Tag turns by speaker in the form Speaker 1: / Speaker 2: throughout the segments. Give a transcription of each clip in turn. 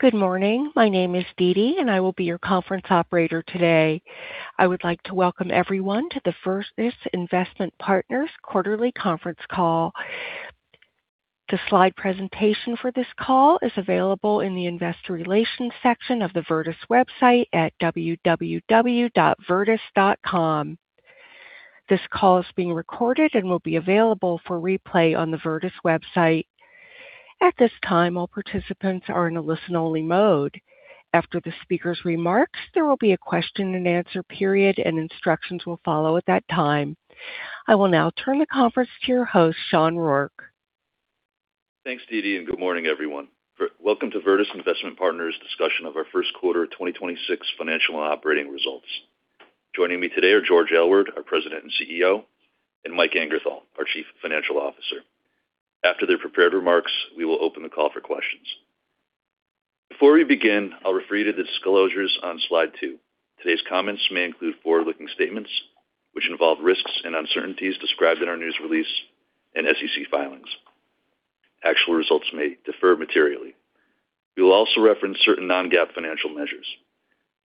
Speaker 1: Good morning. My name is Didi, I will be your conference operator today. I would like to welcome everyone to the Virtus Investment Partners quarterly conference call. The slide presentation for this call is available in the investor relations section of the Virtus website at www.virtus.com. This call is being recorded and will be available for replay on the Virtus website. At this time, all participants are in a listen-only mode. After the speaker's remarks, there will be a question-and-answer period, and instructions will follow at that time. I will now turn the conference to your host, Sean Rourke.
Speaker 2: Thanks, Didi. Good morning, everyone. Welcome to Virtus Investment Partners discussion of our first quarter 2026 financial and operating results. Joining me today are George Aylward, our president and CEO, and Michael Angerthal, our chief financial officer. After their prepared remarks, we will open the call for questions. Before we begin, I'll refer you to the disclosures on slide two. Today's comments may include forward-looking statements, which involve risks and uncertainties described in our news release and SEC filings. Actual results may differ materially. We will also reference certain non-GAAP financial measures.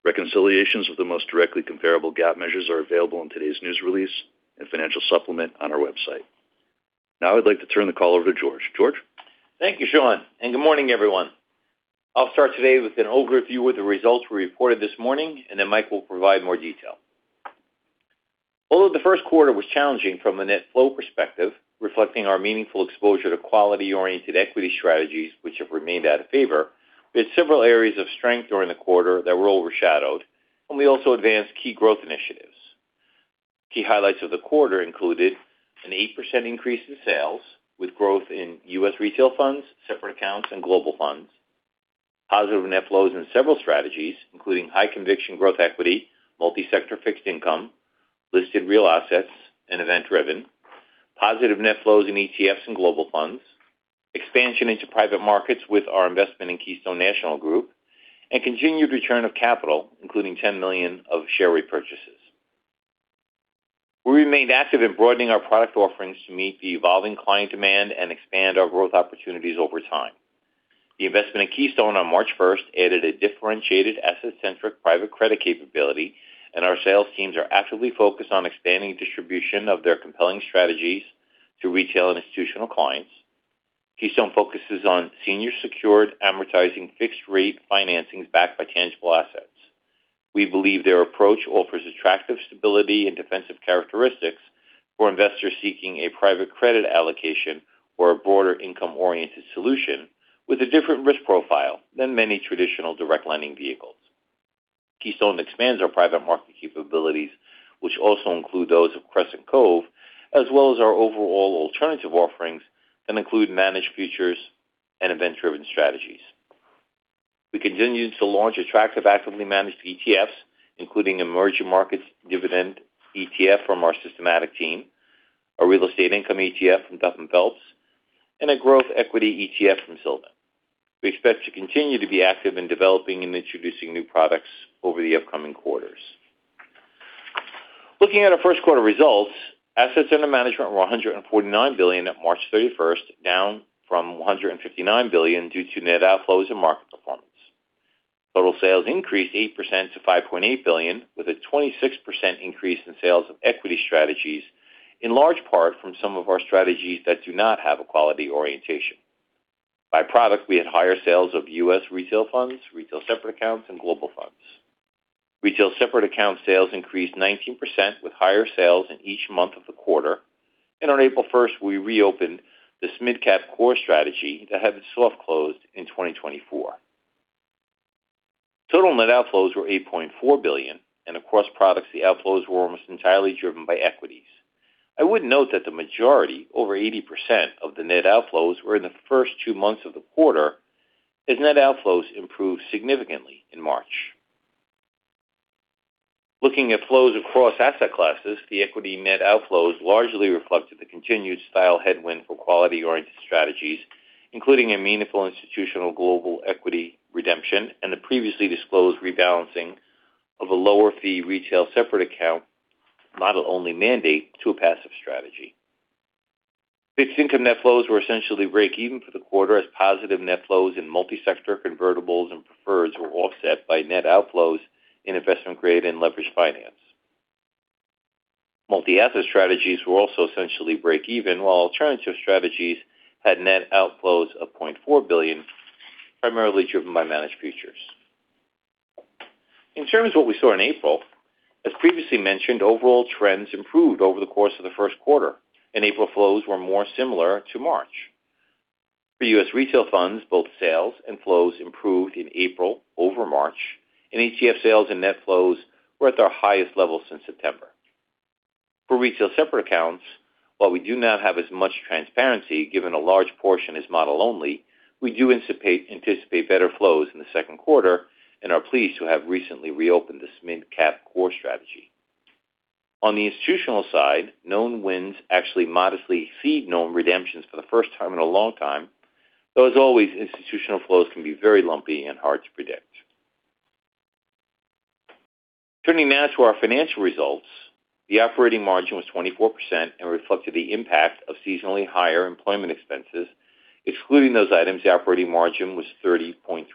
Speaker 2: Reconciliations with the most directly comparable GAAP measures are available in today's news release and financial supplement on our website. Now I'd like to turn the call over to George. George.
Speaker 3: Thank you, Sean, and good morning, everyone. I'll start today with an overview of the results we reported this morning, and then Mike will provide more detail. Although the first quarter was challenging from a net flow perspective, reflecting our meaningful exposure to quality-oriented equity strategies which have remained out of favor, we had several areas of strength during the quarter that were overshadowed, and we also advanced key growth initiatives. Key highlights of the quarter included an 8% increase in sales, with growth in U.S. retail funds, separate accounts, and global funds. Positive net flows in several strategies, including high conviction growth equity, multi-sector fixed income, listed real assets and event-driven. Positive net flows in ETFs and global funds. Expansion into private markets with our investment in Keystone National Group. Continued return of capital, including $10 million of share repurchases. We remained active in broadening our product offerings to meet the evolving client demand and expand our growth opportunities over time. The investment in Keystone on March 1st added a differentiated asset-centric private credit capability, and our sales teams are actively focused on expanding distribution of their compelling strategies to retail and institutional clients. Keystone focuses on senior secured asset-based fixed-rate financings backed by tangible assets. We believe their approach offers attractive stability and defensive characteristics for investors seeking a private credit allocation or a broader income-oriented solution with a different risk profile than many traditional direct lending vehicles. Keystone expands our private market capabilities, which also include those of Crescent Cove, as well as our overall alternative offerings that include managed futures and event-driven strategies. We continued to launch attractive, actively managed ETFs, including emerging markets dividend ETF from our systematic team, a real estate income ETF from Duff & Phelps, and a growth equity ETF from Silver. We expect to continue to be active in developing and introducing new products over the upcoming quarters. Looking at our first quarter results, assets under management were $149 billion at March 31st, down from $159 billion due to net outflows and market performance. Total sales increased 8% to $5.8 billion, with a 26% increase in sales of equity strategies, in large part from some of our strategies that do not have a quality orientation. By product, we had higher sales of U.S. retail funds, retail separate accounts, and global funds. Retail separate account sales increased 19% with higher sales in each month of the quarter. On April 1st, we reopened the SMidCap core strategy that had been soft closed in 2024. Total net outflows were $8.4 billion. Across products, the outflows were almost entirely driven by equities. I would note that the majority, over 80%, of the net outflows were in the first two months of the quarter as net outflows improved significantly in March. Looking at flows across asset classes, the equity net outflows largely reflected the continued style headwind for quality-oriented strategies, including a meaningful institutional global equity redemption and the previously disclosed rebalancing of a lower-fee retail separate account model-only mandate to a passive strategy. Fixed income net flows were essentially breakeven for the quarter as positive net flows in multi-sector convertibles and preferred to offset by net outflows in investment-grade and leveraged finance. Multi-asset strategies were also essentially breakeven, while alternative strategies had net outflows of $0.4 billion, primarily driven by managed futures. In terms of what we saw in April, as previously mentioned, overall trends improved over the course of the first quarter, and April flows were more similar to March. For U.S. retail funds, both sales and flows improved in April over March, and ETF sales and net flows were at their highest level since September. For retail separate accounts, while we do not have as much transparency given a large portion is model only, we do anticipate better flows in the second quarter and are pleased to have recently reopened the SMidCap core strategy. On the institutional side, known wins actually modestly seed known redemptions for the first time in a long time, though as always, institutional flows can be very lumpy and hard to predict. Turning now to our financial results. The operating margin was 24% and reflected the impact of seasonally higher employment expenses. Excluding those items, the operating margin was 30.3%.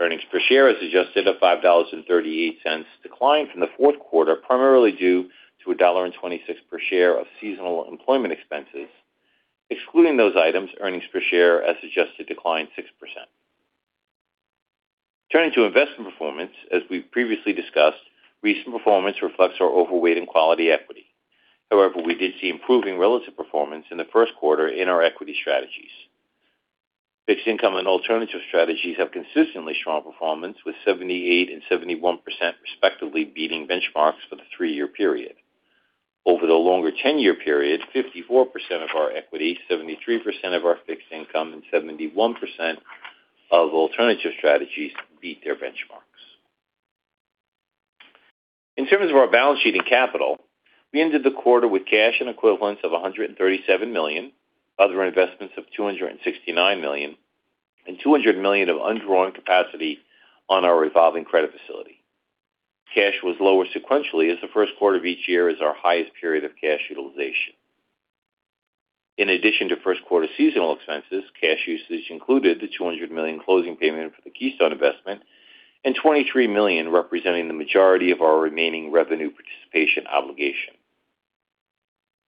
Speaker 3: Earnings per share as adjusted at $5.38 declined from the fourth quarter, primarily due to a $1.26 per share of seasonal employment expenses. Excluding those items, earnings per share as adjusted declined 6%. Turning to investment performance, as we've previously discussed, recent performance reflects our overweight in quality equity. However, we did see improving relative performance in the first quarter in our equity strategies. Fixed income and alternative strategies have consistently strong performance with 78% and 71% respectively beating benchmarks for the three year period. Over the longer 10-year period, 54% of our equity, 73% of our fixed income, and 71% of alternative strategies beat their benchmarks. In terms of our balance sheet and capital, we ended the quarter with cash and equivalents of $137 million, other investments of $269 million, and $200 million of undrawn capacity on our revolving credit facility. Cash was lower sequentially as the first quarter of each year is our highest period of cash utilization. In addition to first quarter seasonal expenses, cash usage included the $200 million closing payment for the Keystone investment and $23 million representing the majority of our remaining revenue participation obligation.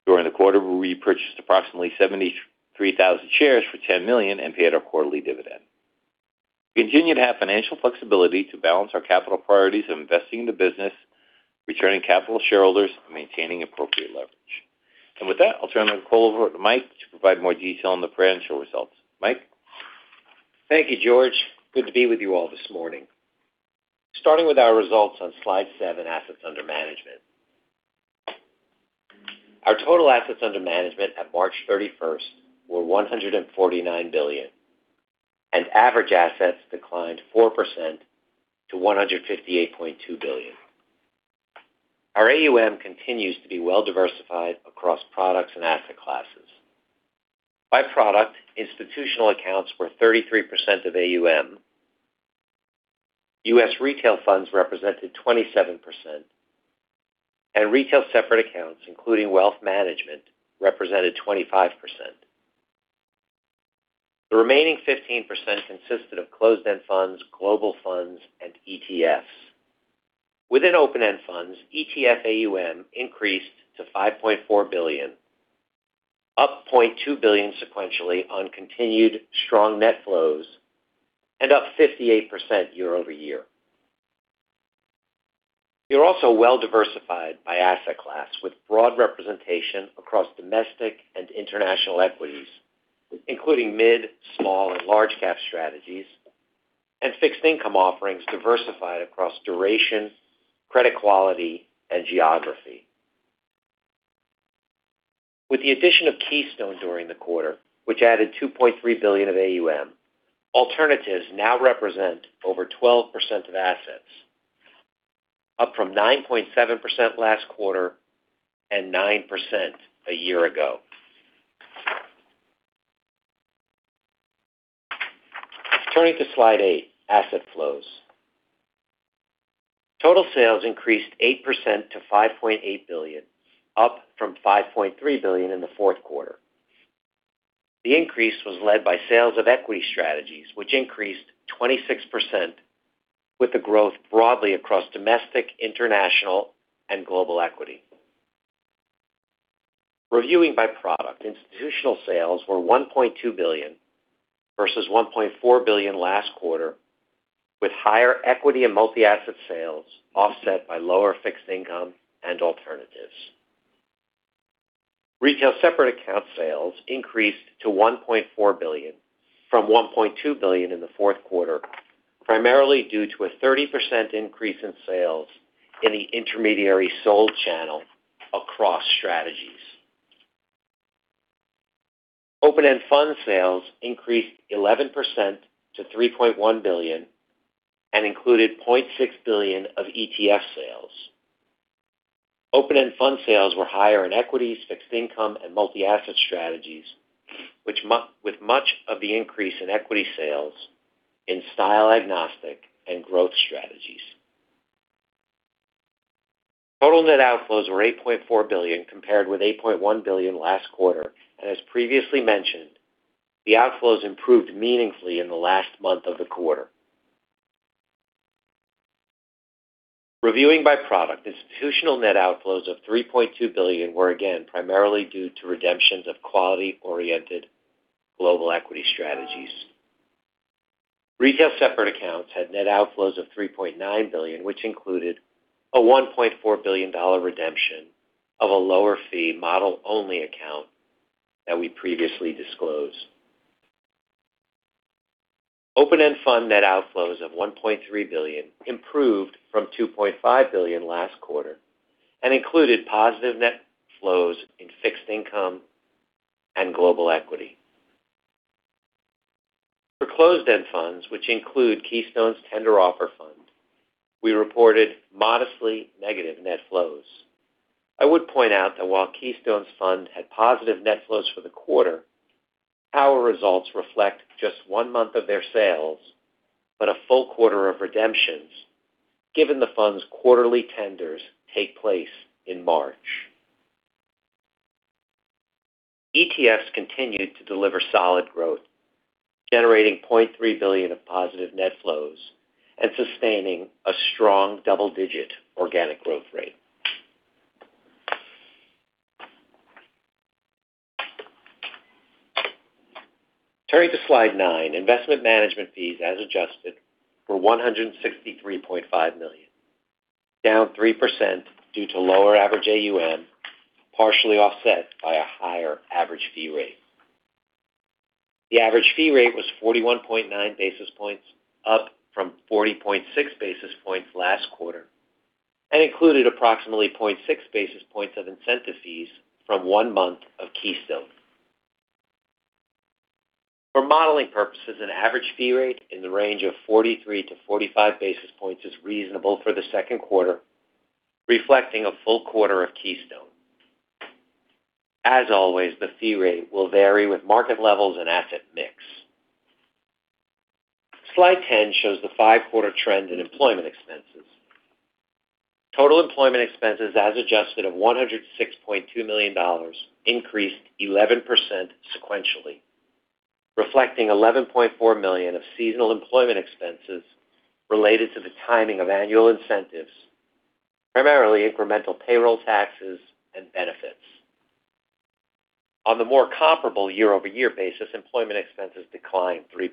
Speaker 3: During the quarter, we repurchased approximately 73,000 shares for $10 million and paid our quarterly dividend. We continue to have financial flexibility to balance our capital priorities of investing in the business, returning capital to shareholders, and maintaining appropriate leverage. With that, I'll turn the call over to Mike to provide more detail on the financial results. Mike.
Speaker 4: Thank you, George. Good to be with you all this morning. Starting with our results on slide seven, Assets Under Management. Our total assets under management at March 31st were $149 billion, and average assets declined 4% to $158.2 billion. Our AUM continues to be well-diversified across products and asset classes. By product, institutional accounts were 33% of AUM. U.S. retail funds represented 27%, and retail separate accounts, including wealth management, represented 25%. The remaining 15% consisted of closed-end funds, global funds, and ETFs. Within open-end funds, ETF AUM increased to $5.4 billion, up $0.2 billion sequentially on continued strong net flows and up 58% year-over-year. We are also well-diversified by asset class with broad representation across domestic and international equities, including mid, small, and large cap strategies, and fixed income offerings diversified across duration, credit quality, and geography. With the addition of Keystone during the quarter, which added $2.3 billion of AUM, alternatives now represent over 12% of assets, up from 9.7% last quarter and 9% a year ago. Turning to slide 8, Asset Flows. Total sales increased 8% to $5.8 billion, up from $5.3 billion in the fourth quarter. The increase was led by sales of equity strategies, which increased 26% with the growth broadly across domestic, international, and global equity. Reviewing by product, institutional sales were $1.2 billion versus $1.4 billion last quarter, with higher equity and multi-asset sales offset by lower fixed income and alternatives. Retail separate account sales increased to $1.4 billion from $1.2 billion in the fourth quarter, primarily due to a 30% increase in sales in the intermediary sold channel across strategies. Open-end fund sales increased 11% to $3.1 billion and included $0.6 billion of ETF sales. Open-end fund sales were higher in equities, fixed income, and multi-asset strategies, with much of the increase in equity sales in style agnostic and growth strategies. Total net outflows were $8.4 billion, compared with $8.1 billion last quarter. As previously mentioned, the outflows improved meaningfully in the last month of the quarter. Reviewing by product, institutional net outflows of $3.2 billion were again primarily due to redemptions of quality-oriented global equity strategies. Retail separate accounts had net outflows of $3.9 billion, which included a $1.4 billion redemption of a lower fee model only account that we previously disclosed. Open-end fund net outflows of $1.3 billion improved from $2.5 billion last quarter and included positive net flows in fixed income and global equity. For closed-end funds, which include Keystone's tender offer fund, we reported modestly negative net flows. I would point out that while Keystone's fund had positive net flows for the quarter, our results reflect just one month of their sales, but a full quarter of redemptions, given the fund's quarterly tenders take place in March. ETFs continued to deliver solid growth, generating $0.3 billion of positive net flows and sustaining a strong double-digit organic growth rate. Turning to slide nine, investment management fees as adjusted were $163.5 million, down 3% due to lower average AUM, partially offset by a higher average fee rate. The average fee rate was 41.9 basis points, up from 40.6 basis points last quarter. Included approximately 0.6 basis points of incentive fees from 1 month of Keystone. For modeling purposes, an average fee rate in the range of 43-45 basis points is reasonable for the second quarter, reflecting a full quarter of Keystone. As always, the fee rate will vary with market levels and asset mix. Slide 10 shows the five quarter trend in employment expenses. Total employment expenses as adjusted of $106.2 million increased 11% sequentially, reflecting $11.4 million of seasonal employment expenses related to the timing of annual incentives, primarily incremental payroll taxes and benefits. On the more comparable year-over-year basis, employment expenses declined 3%.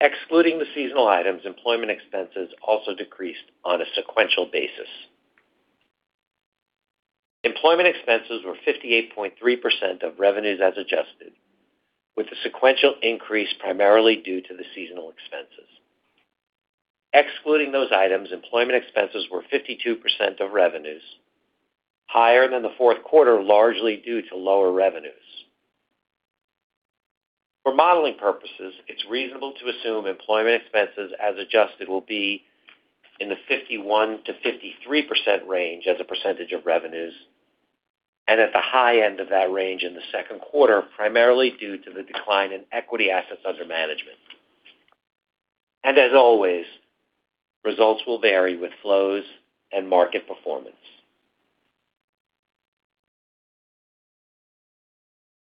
Speaker 4: Excluding the seasonal items, employment expenses also decreased on a sequential basis. Employment expenses were 58.3% of revenues as adjusted, with the sequential increase primarily due to the seasonal expenses. Excluding those items, employment expenses were 52% of revenues, higher than the fourth quarter, largely due to lower revenues. For modeling purposes, it's reasonable to assume employment expenses as adjusted will be in the 51%-53% range as a percentage of revenues and at the high end of that range in the second quarter, primarily due to the decline in equity AUM. As always, results will vary with flows and market performance.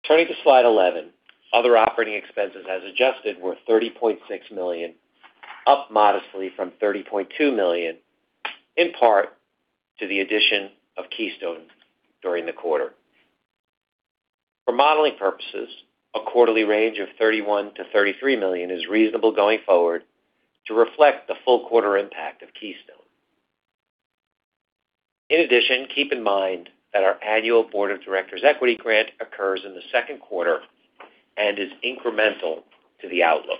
Speaker 4: Turning to slide 11, other operating expenses as adjusted were $30.6 million, up modestly from $30.2 million, in part to the addition of Keystone during the quarter. For modeling purposes, a quarterly range of $31 million-$33 million is reasonable going forward to reflect the full quarter impact of Keystone. In addition, keep in mind that our annual board of directors equity grant occurs in the second quarter and is incremental to the outlook.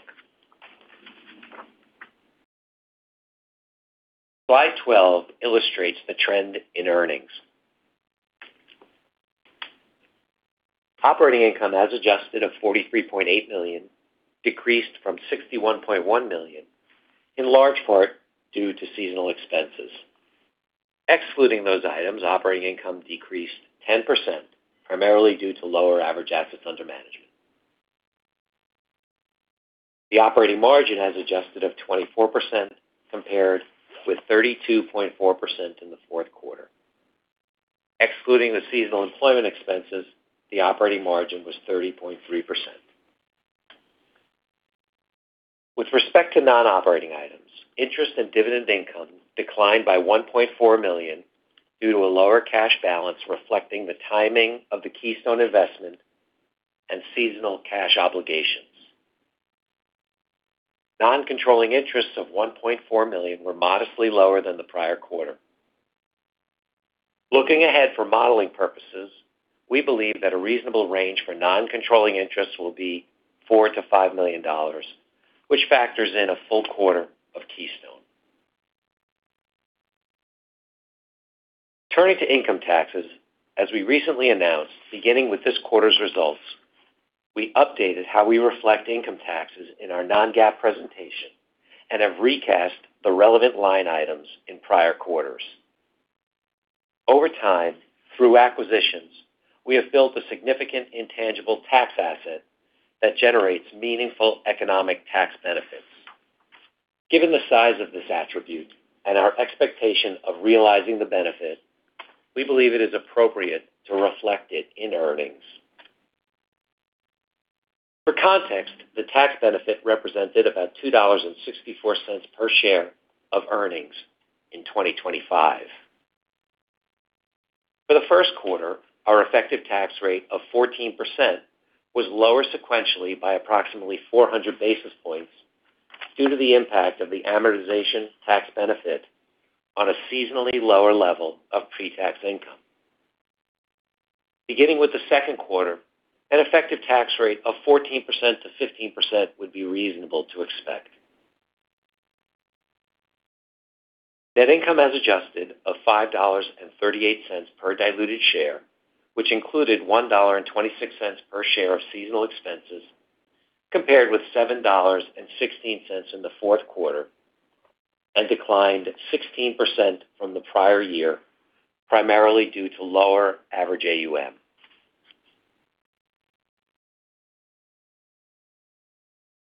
Speaker 4: Slide 12 illustrates the trend in earnings. Operating income as adjusted of $43.8 million decreased from $61.1 million, in large part due to seasonal expenses. Excluding those items, operating income decreased 10%, primarily due to lower average assets under management. The operating margin as adjusted of 24% compared with 32.4% in the fourth quarter. Excluding the seasonal employment expenses, the operating margin was 30.3%. With respect to non-operating items, interest and dividend income declined by $1.4 million due to a lower cash balance reflecting the timing of the Keystone investment and seasonal cash obligations. Non-controlling interests of $1.4 million were modestly lower than the prior quarter. Looking ahead for modeling purposes, we believe that a reasonable range for non-controlling interests will be $4 million-$5 million, which factors in a full quarter of Keystone. Turning to income taxes, as we recently announced, beginning with this quarter's results, we updated how we reflect income taxes in our non-GAAP presentation and have recast the relevant line items in prior quarters. Over time, through acquisitions, we have built a significant intangible tax asset that generates meaningful economic tax benefits. Given the size of this attribute and our expectation of realizing the benefit, we believe it is appropriate to reflect it in earnings. For context, the tax benefit represented about $2.64 per share of earnings in 2025. For the first quarter, our effective tax rate of 14% was lower sequentially by approximately 400 basis points due to the impact of the amortization tax benefit on a seasonally lower level of pre-tax income. Beginning with the 2nd quarter, an effective tax rate of 14%-15% would be reasonable to expect. Net income as adjusted of $5.38 per diluted share, which included $1.26 per share of seasonal expenses. Compared with $7.16 in the 4th quarter and declined 16% from the prior year, primarily due to lower average AUM.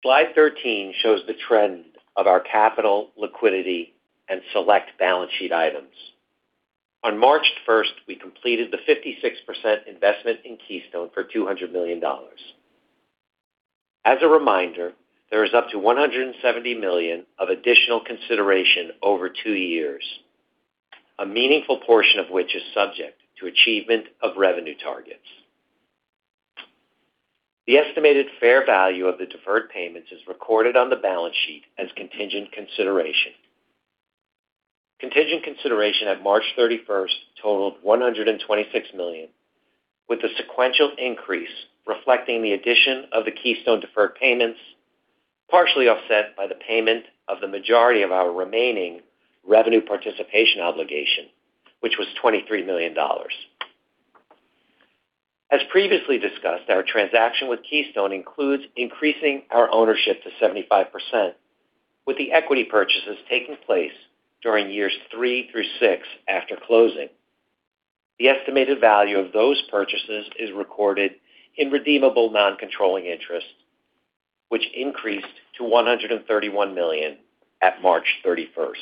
Speaker 4: Slide 13 shows the trend of our capital liquidity and select balance sheet items. On March 1st, we completed the 56% investment in Keystone for $200 million. As a reminder, there is up to $170 million of additional consideration over two years, a meaningful portion of which is subject to achievement of revenue targets. The estimated fair value of the deferred payments is recorded on the balance sheet as contingent consideration. Contingent consideration at March 31st totaled $126 million, with the sequential increase reflecting the addition of the Keystone deferred payments, partially offset by the payment of the majority of our remaining revenue participation obligation, which was $23 million. As previously discussed, our transaction with Keystone includes increasing our ownership to 75%, with the equity purchases taking place during years three through six after closing. The estimated value of those purchases is recorded in redeemable non-controlling interest, which increased to $131 million at March 31st.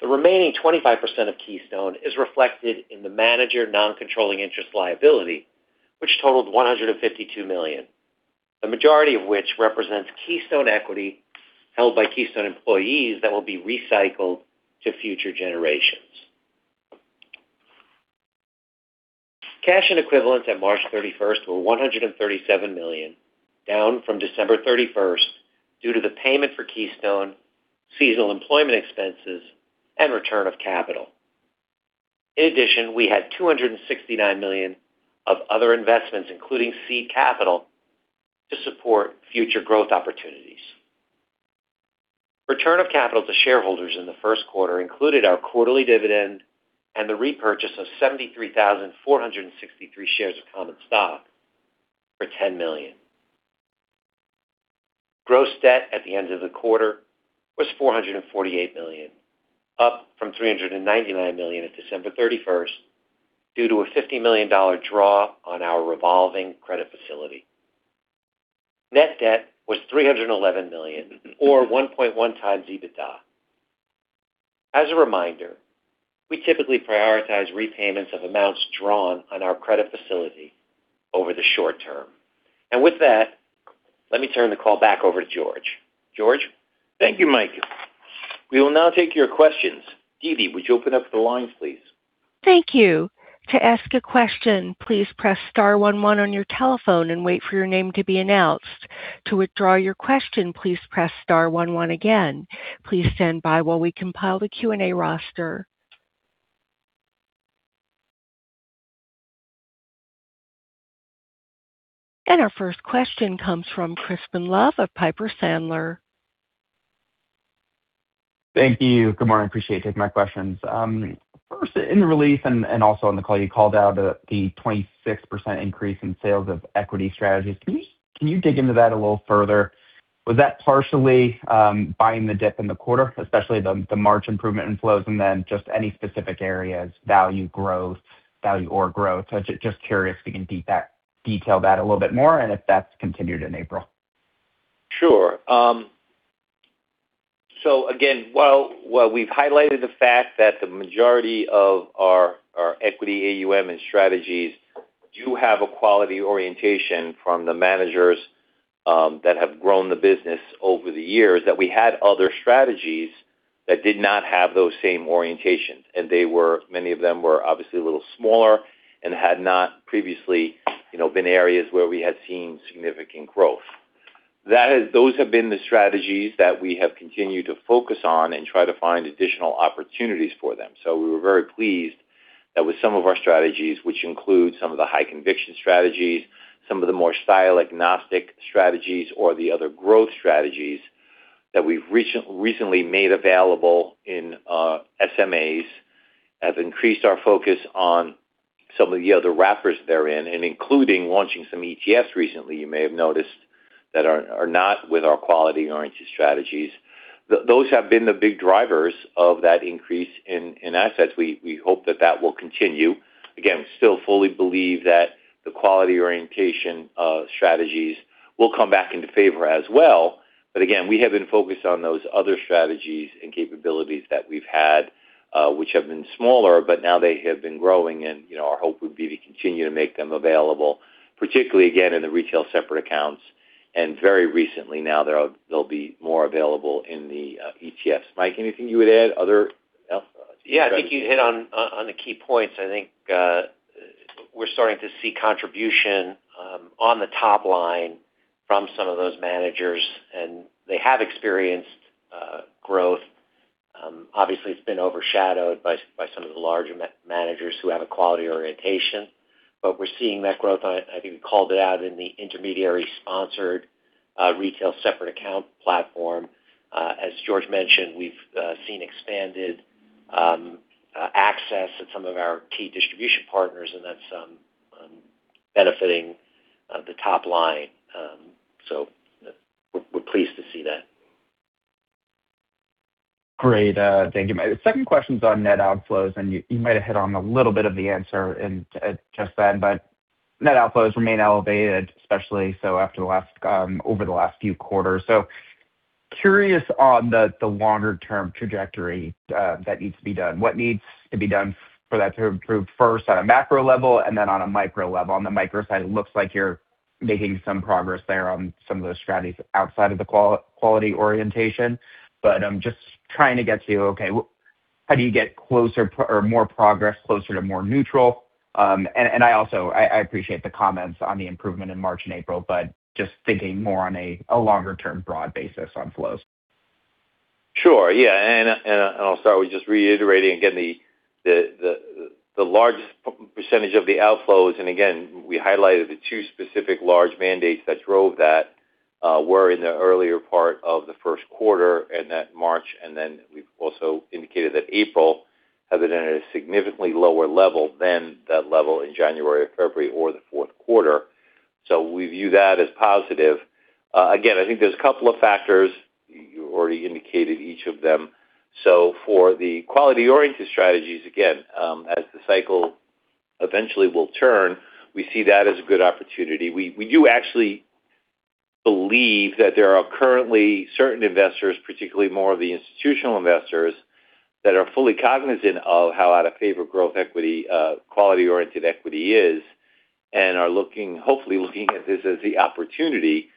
Speaker 4: The remaining 25% of Keystone is reflected in the manager non-controlling interest liability, which totaled $152 million, the majority of which represents Keystone equity held by Keystone employees that will be recycled to future generations. Cash and equivalents at March 31st were $137 million, down from December 31st due to the payment for Keystone, seasonal employment expenses, and return of capital. In addition, we had $269 million of other investments, including seed capital, to support future growth opportunities. Return of capital to shareholders in the first quarter included our quarterly dividend and the repurchase of 73,463 shares of common stock for $10 million. Gross debt at the end of the quarter was $448 million, up from $399 million at December 31st, due to a $50 million draw on our revolving credit facility. Net debt was $311 million or 1.1 times EBITDA. As a reminder, we typically prioritize repayments of amounts drawn on our credit facility over the short term. With that, let me turn the call back over to George. George?
Speaker 3: Thank you, Mike. We will now take your questions. Dee Dee, would you open up the lines, please?
Speaker 1: Thank you. To ask a question, please press star one one on your telephone and wait for your name to be announced. To withdraw your question, please press star one one again. Please stand by while we compile the Q&A roster. Our first question comes from Crispin Love of Piper Sandler.
Speaker 5: Thank you. Good morning. Appreciate you taking my questions. First, in the release and also on the call, you called out the 26% increase in sales of equity strategies. Can you dig into that a little further? Was that partially, buying the dip in the quarter, especially the March improvement in flows? Just any specific areas, value growth, value or growth? Just curious if you can detail that a little bit more and if that's continued in April.
Speaker 3: Sure. Again, while we've highlighted the fact that the majority of our equity AUM and strategies do have a quality orientation from the managers, that have grown the business over the years, that we had other strategies that did not have those same orientations. Many of them were obviously a little smaller and had not previously, you know, been areas where we had seen significant growth. Those have been the strategies that we have continued to focus on and try to find additional opportunities for them. We were very pleased that with some of our strategies, which include some of the high conviction strategies, some of the more style agnostic strategies or the other growth strategies that we've recently made available in SMAs, have increased our focus on some of the other wrappers they're in, and including launching some ETFs recently, you may have noticed, that are not with our quality-oriented strategies. Those have been the big drivers of that increase in assets. We hope that that will continue. We still fully believe that the quality orientation strategies will come back into favor as well. We have been focused on those other strategies and capabilities that we've had, which have been smaller, but now they have been growing. You know, our hope would be to continue to make them available, particularly again in the retail separate accounts. Very recently now, there'll be more available in the ETFs. Mike, anything you would add? Other strategies.
Speaker 4: Yeah. I think you hit on the key points. I think we're starting to see contribution on the top line from some of those managers. They have experienced growth. Obviously it's been overshadowed by some of the larger managers who have a quality orientation. We're seeing that growth. I think we called it out in the intermediary sponsored retail separate account platform. As George mentioned, we've seen expanded Access at some of our key distribution partners, and that's benefiting the top line. We're pleased to see that.
Speaker 5: Great. Thank you. My second question's on net outflows, and you might have hit on a little bit of the answer just then. Net outflows remain elevated, especially so after the last over the last few quarters. Curious on the longer-term trajectory that needs to be done. What needs to be done for that to improve, first on a macro level and then on a micro level? On the micro side, it looks like you're making some progress there on some of those strategies outside of the quality orientation. I'm just trying to get to, okay, how do you get closer or more progress closer to more neutral? I also appreciate the comments on the improvement in March and April, but just thinking more on a longer-term broad basis on flows.
Speaker 3: Sure. Yeah. I'll start with just reiterating again the large percentage of the outflows. Again, we highlighted the two specific large mandates that drove that, were in the earlier part of the first quarter in that March. We've also indicated that April has been at a significantly lower level than that level in January or February or the fourth quarter. We view that as positive. Again, I think there's a couple of factors. You already indicated each of them. For the quality-oriented strategies, again, as the cycle eventually will turn, we see that as a good opportunity. We do actually believe that there are currently certain investors, particularly more of the institutional investors, that are fully cognizant of how out of favor growth equity, quality-oriented equity is and are hopefully looking at this as the opportunity.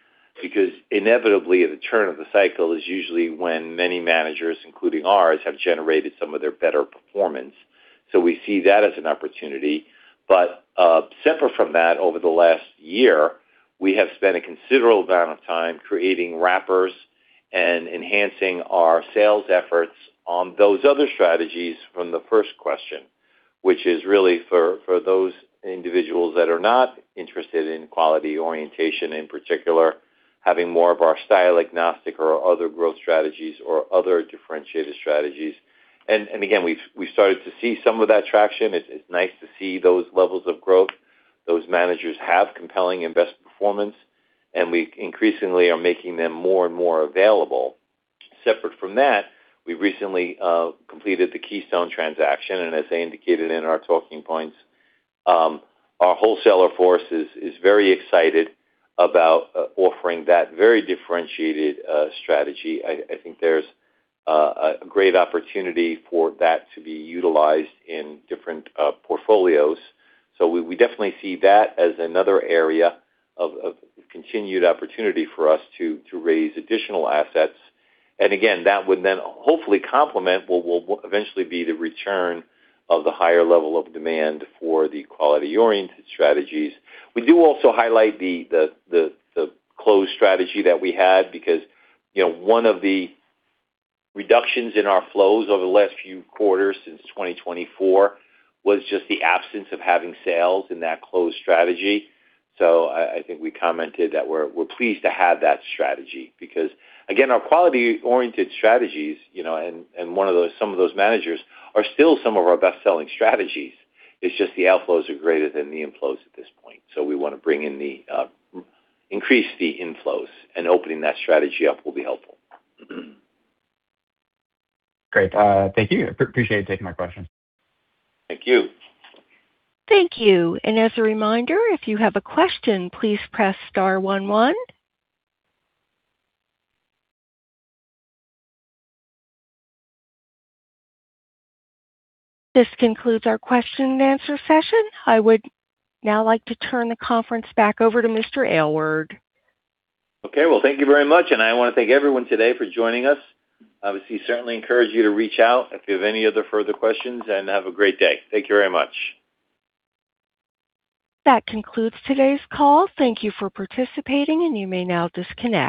Speaker 3: Inevitably, the turn of the cycle is usually when many managers, including ours, have generated some of their better performance. We see that as an opportunity. Separate from that, over the last year, we have spent a considerable amount of time creating wrappers and enhancing our sales efforts on those other strategies from the first question, which is really for those individuals that are not interested in quality orientation, in particular, having more of our style agnostic or other growth strategies or other differentiated strategies. Again, we've started to see some of that traction. It's nice to see those levels of growth. Those managers have compelling and best performance, and we increasingly are making them more and more available. Separate from that, we recently completed the Keystone transaction, and as I indicated in our talking points, our wholesaler force is very excited about offering that very differentiated strategy. I think there's a great opportunity for that to be utilized in different portfolios. We definitely see that as another area of continued opportunity for us to raise additional assets. Again, that would then hopefully complement what will eventually be the return of the higher level of demand for the quality-oriented strategies. We do also highlight the closed strategy that we had because, you know, one of the reductions in our flows over the last few quarters since 2024 was just the absence of having sales in that closed strategy. I think we commented that we're pleased to have that strategy because, again, our quality-oriented strategies, you know, and some of those managers are still some of our best-selling strategies. It's just the outflows are greater than the inflows at this point. We wanna bring in the increase the inflows, and opening that strategy up will be helpful.
Speaker 5: Great. Thank you. Appreciate you taking my question.
Speaker 3: Thank you.
Speaker 1: Thank you. As a reminder, if you have a question, please press star one one. This concludes our question and answer session. I would now like to turn the conference back over to Mr. Aylward.
Speaker 3: Okay. Well, thank you very much. I wanna thank everyone today for joining us. Obviously, certainly encourage you to reach out if you have any other further questions. Have a great day. Thank you very much.
Speaker 1: That concludes today's call. Thank you for participating, and you may now disconnect.